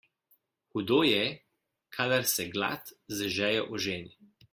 Hudo je, kadar se glad z žejo oženi.